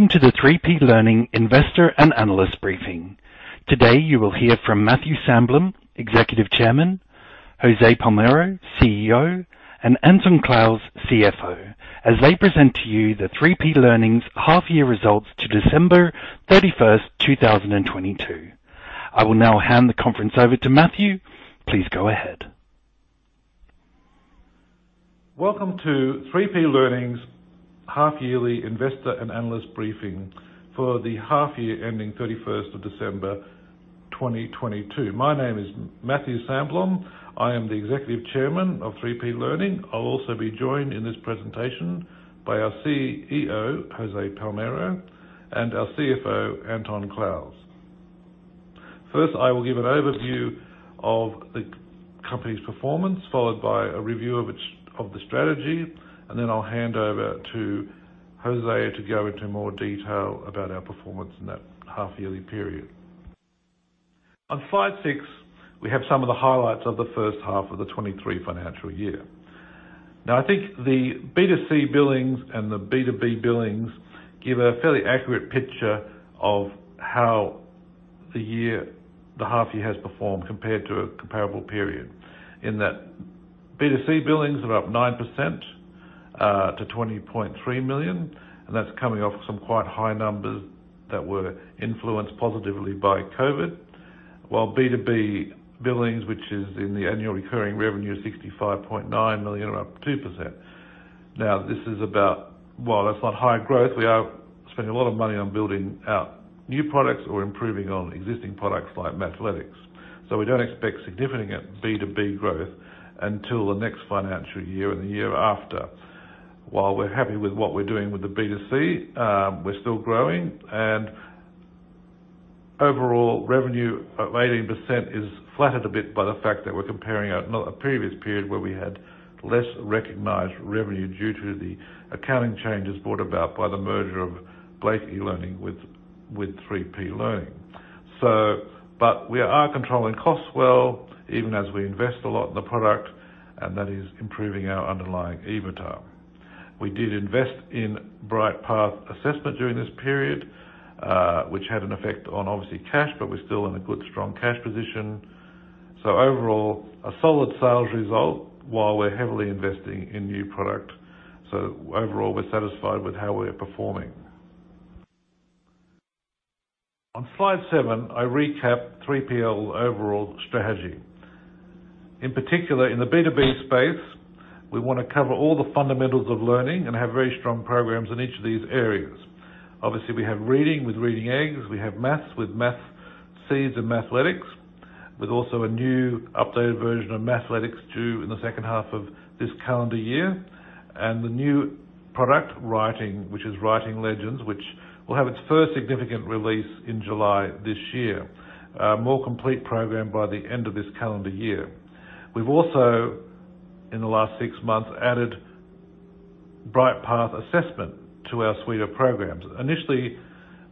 Welcome to the 3P Learning Investor and Analyst briefing. Today, you will hear from Matthew Sandblom, Executive Chairman, Jose Palmero, CEO, and Anton Clowes, CFO, as they present to you the 3P Learning's half-year results to December thirty-first, two thousand and twenty-two. I will now hand the conference over to Matthew. Please go ahead. Welcome to 3P Learning's half-yearly investor and analyst briefing for the half-year ending 31st of December, 2022. My name is Matthew Sandblom. I am the Executive Chairman of 3P Learning. I'll also be joined in this presentation by our CEO, Jose Palmero, and our CFO, Anton Clowes. I will give an overview of the company's performance, followed by a review of the strategy, and then I'll hand over to Jose to go into more detail about our performance in that half-yearly period. On slide six, we have some of the highlights of the first half of the 2023 financial year. I think the B2C billings and the B2B billings give a fairly accurate picture of how the half-year has performed compared to a comparable period. In that B2C billings are up 9%, to 20.3 million. That's coming off some quite high numbers that were influenced positively by COVID. While B2B billings, which is in the annual recurring revenue of 65.9 million, are up 2%. While that's not high growth, we are spending a lot of money on building out new products or improving on existing products like Mathletics. We don't expect significant B2B growth until the next financial year and the year after. While we're happy with what we're doing with the B2C, we're still growing, and overall revenue of 18% is flattered a bit by the fact that we're comparing our a previous period where we had less recognized revenue due to the accounting changes brought about by the merger of Blake eLearning with 3P Learning. We are controlling costs well, even as we invest a lot in the product, and that is improving our underlying EBITDA. We did invest in Brightpath Assessment during this period, which had an effect on obviously cash, we're still in a good, strong cash position. Overall, a solid sales result while we're heavily investing in new product. Overall, we're satisfied with how we're performing. On slide seven, I recap 3PL overall strategy. In particular, in the B2B space, we wanna cover all the fundamentals of learning and have very strong programs in each of these areas. Obviously, we have reading with Reading Eggs. We have math with Mathseeds and Mathletics, with also a new updated version of Mathletics due in the second half of this calendar year. The new product writing, which is Writing Legends, which will have its first significant release in July this year. A more complete program by the end of this calendar year. We've also, in the last six months, added Brightpath Assessment to our suite of programs. Initially,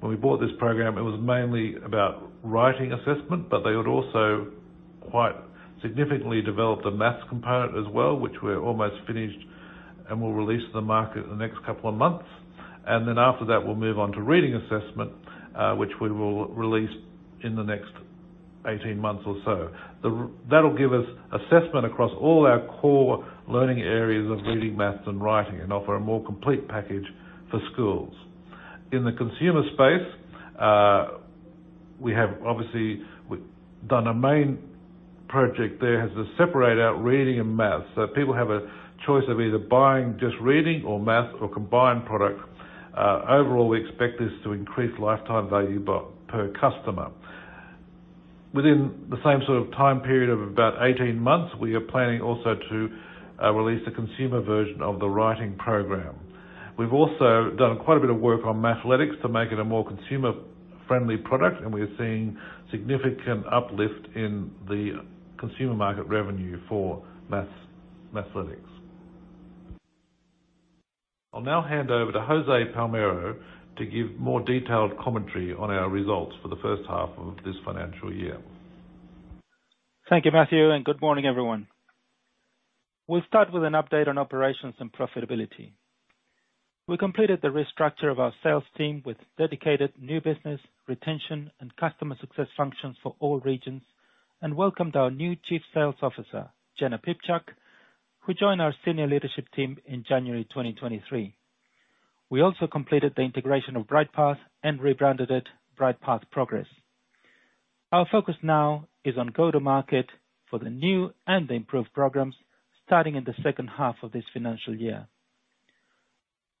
when we bought this program, it was mainly about writing assessment, but they would also quite significantly develop the math component as well, which we're almost finished and will release to the market in the next couple of months. Then after that, we'll move on to reading assessment, which we will release in the next 18 months or so. That'll give us assessment across all our core learning areas of reading, math, and writing and offer a more complete package for schools. In the consumer space, we have obviously done a main project there, has to separate out Reading and Maths. People have a choice of either buying just Reading or Math or combined product. Overall, we expect this to increase lifetime value per customer. Within the same sort of time period of about 18 months, we are planning also to release the consumer version of the Writing program. We've also done quite a bit of work on Mathletics to make it a more consumer-friendly product, and we are seeing significant uplift in the consumer market revenue for Mathletics. I'll now hand over to Jose Palmero to give more detailed commentary on our results for the first half of this financial year. Thank you Matthew and good morning everyone. We'll start with an update on operations and profitability. We completed the restructure of our sales team with dedicated new business, retention, and customer success functions for all regions. Welcomed our new Chief Sales Officer, Jenna Pipchuk, who joined our senior leadership team in January 2023. We also completed the integration of Brightpath and rebranded it Brightpath Progress. Our focus now is on go-to-market for the new and the improved programs starting in the second half of this financial year.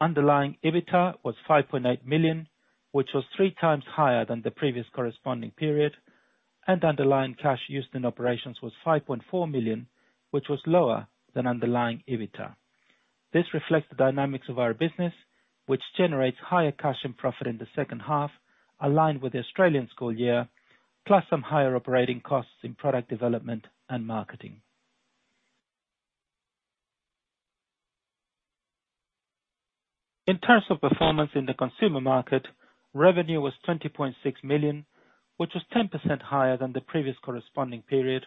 Underlying EBITDA was 5.8 million, which was three times higher than the previous corresponding period, and underlying cash used in operations was 5.4 million, which was lower than underlying EBITDA. This reflects the dynamics of our business, which generates higher cash and profit in the second half, aligned with the Australian school year, plus some higher operating costs in product development and marketing. In terms of performance in the consumer market, revenue was 20.6 million, which was 10% higher than the previous corresponding period,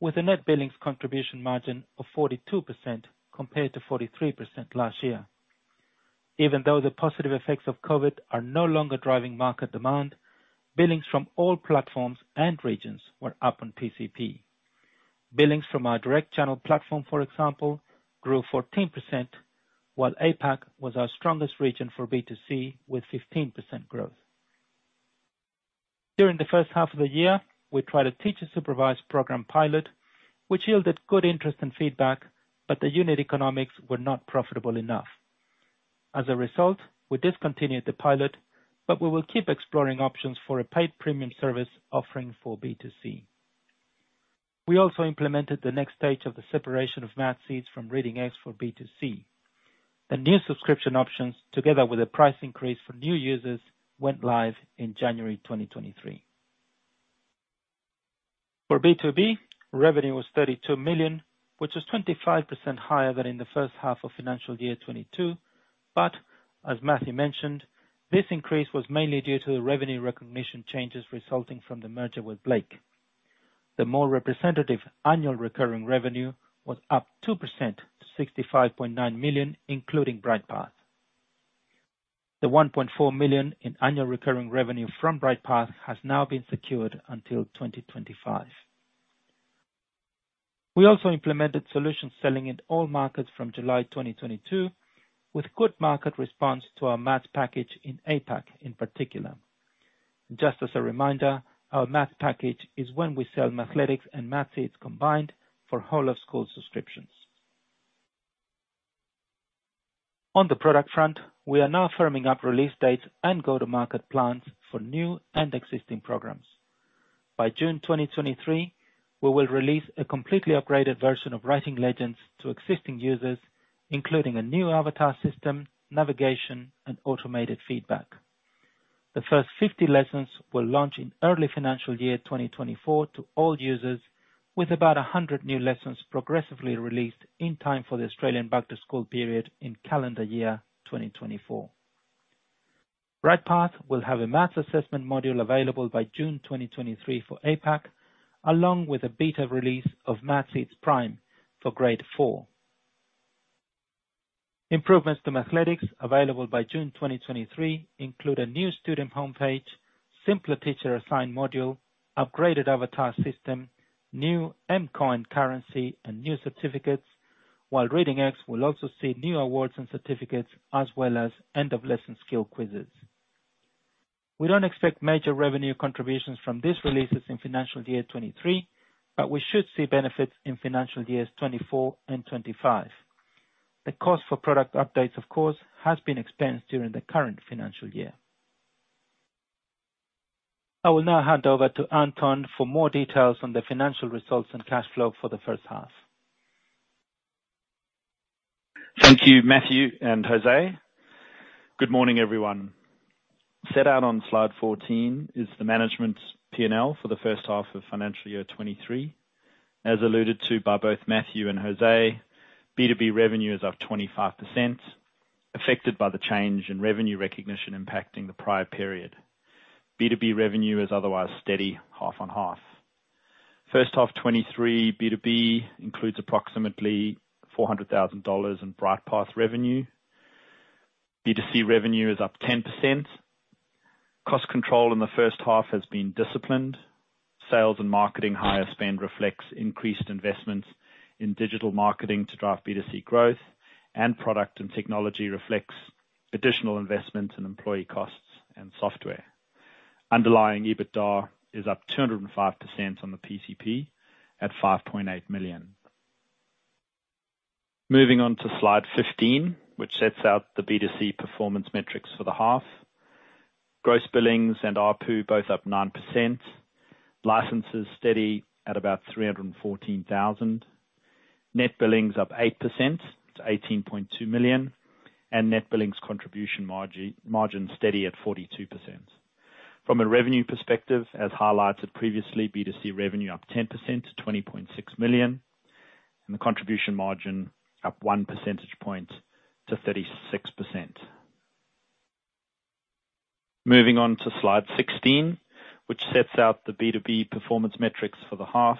with a net billings contribution margin of 42% compared to 43% last year. Even though the positive effects of COVID are no longer driving market demand, billings from all platforms and regions were up on PCP. Billings from our direct channel platform, for example, grew 14%, while APAC was our strongest region for B2C with 15% growth. During the first half of the year, we tried a teacher-supervised program pilot, which yielded good interest and feedback, but the unit economics were not profitable enough. As a result, we discontinued the pilot, but we will keep exploring options for a paid premium service offering for B2C. We also implemented the next stage of the separation of Mathseeds from Reading Eggs for B2C. The new subscription options, together with a price increase for new users, went live in January 2023. For B2B, revenue was 32 million, which was 25% higher than in the first half of financial year 2022. As Matthew mentioned, this increase was mainly due to the revenue recognition changes resulting from the merger with Blake. The more representative annual recurring revenue was up 2% to 65.9 million, including Brightpath. The 1.4 million in annual recurring revenue from Brightpath has now been secured until 2025. We also implemented solution selling in all markets from July 2022, with good market response to our math package in APAC in particular. Just as a reminder, our Math package is when we sell Mathletics and Mathseeds combined for whole of school subscriptions. On the product front, we are now firming up release dates and go-to-market plans for new and existing programs. By June 2023, we will release a completely upgraded version of Writing Legends to existing users, including a new avatar system, navigation, and automated feedback. The first 50 lessons will launch in early financial year 2024 to all users, with about 100 new lessons progressively released in time for the Australian back to school period in calendar year 2024. Brightpath will have a math assessment module available by June 2023 for APAC, along with a beta release of Mathseeds Prime for grade four. Improvements to Mathletics available by June 2023 include a new student homepage, simpler teacher assigned module, upgraded avatar system, new M Coin currency, and new certificates, while Reading Eggs will also see new awards and certificates as well as end of lesson skill quizzes. We don't expect major revenue contributions from these releases in financial year 2023, but we should see benefits in financial years 2024 and 2025. The cost for product updates, of course, has been expensed during the current financial year. I will now hand over to Anton for more details on the financial results and cash flow for the first half. Thank you Matthew and Jose. Good morning everyone. Set out on slide 14 is the management PNL for the first half of financial year 2023. As alluded to by both Matthew and Jose, B2B revenue is up 25%, affected by the change in revenue recognition impacting the prior period. B2B revenue is otherwise steady half on half. First half 2023 B2B includes approximately 400,000 dollars in Brightpath revenue. B2C revenue is up 10%. Cost control in the first half has been disciplined. Sales and marketing higher spend reflects increased investments in digital marketing to drive B2C growth, and product and technology reflects additional investments in employee costs and software. Underlying EBITDA is up 205% on the PCP at 5.8 million. Moving on to slide 15, which sets out the B2C performance metrics for the half. Gross billings and ARPU both up 9%. Licenses steady at about 314,000. Net billings up 8% to 18.2 million, and net billings contribution margin steady at 42%. From a revenue perspective, as highlighted previously, B2C revenue up 10% to 20.6 million, and the contribution margin up 1 percentage point to 36%. Moving on to slide 16, which sets out the B2B performance metrics for the half.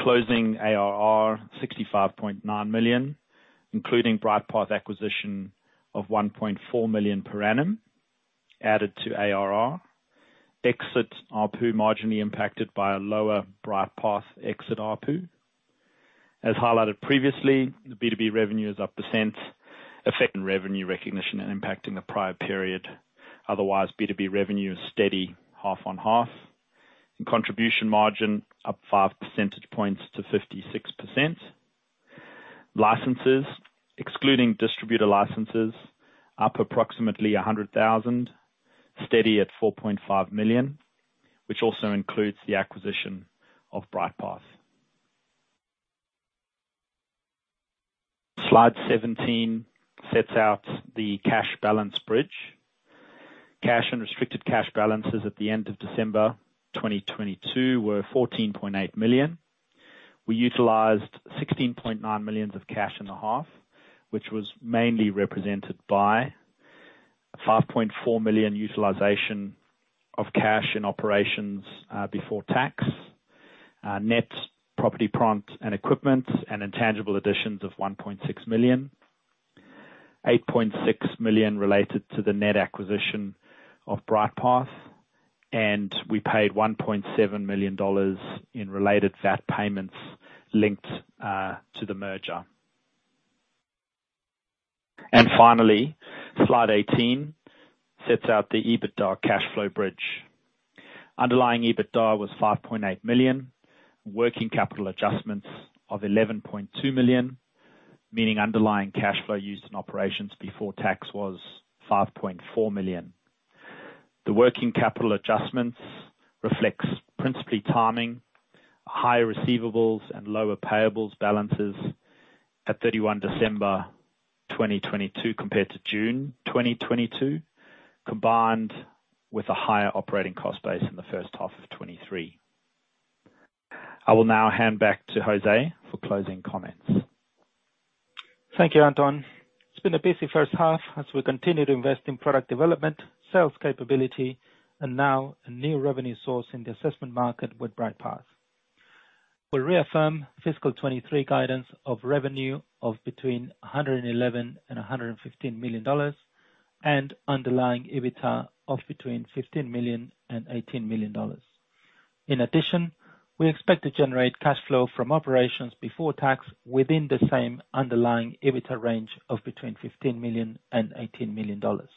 Closing ARR 65.9 million, including Brightpath acquisition of 1.4 million per annum added to ARR. Exit ARPU marginally impacted by a lower Brightpath exit ARPU. As highlighted previously, the B2B revenue is up percent, affecting revenue recognition and impacting the prior period. Otherwise, B2B revenue is steady half on half. Contribution margin up 5 percentage points to 56%. Licenses, excluding distributor licenses, up approximately 100,000, steady at 4.5 million, which also includes the acquisition of Brightpath. Slide 17 sets out the cash balance bridge. Cash and restricted cash balances at the end of December 2022 were 14.8 million. We utilized 16.9 million of cash in the half, which was mainly represented by 5.4 million utilization of cash in operations before tax. Net property, plant and equipment and intangible additions of 1.6 million. 8.6 million related to the net acquisition of Brightpath, we paid $1.7 million in related VAT payments linked to the merger. Finally, slide 18 sets out the EBITDA cash flow bridge. Underlying EBITDA was 5.8 million. Working capital adjustments of 11.2 million, meaning underlying cash flow used in operations before tax was 5.4 million. The working capital adjustments reflects principally timing, higher receivables and lower payables balances at 31 December 2022 compared to June 2022, combined with a higher operating cost base in the first half of 2023. I will now hand back to Jose for closing comments. Thank you Anton. It's been a busy first half as we continue to invest in product development, sales capability and now a new revenue source in the assessment market with Brightpath. We reaffirm fiscal 2023 guidance of revenue of between 111 million and 115 million dollars and underlying EBITDA of between 15 million and 18 million dollars. In addition, we expect to generate cash flow from operations before tax within the same underlying EBITDA range of between 15 million and 18 million dollars.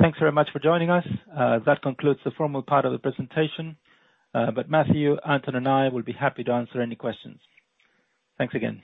Thanks very much for joining us. That concludes the formal part of the presentation. Matthew, Anton, and I will be happy to answer any questions. Thanks again.